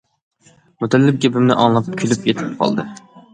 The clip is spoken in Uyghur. مۇتەللىپ گېپىمنى ئاڭلاپ كۈلۈپ يېتىپ قالدى.